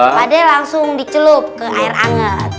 pade langsung dicelup ke air anget